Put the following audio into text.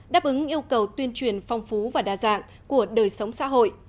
đáp ứng yêu cầu tuyên truyền phong phú và đa dạng của đời sống xã hội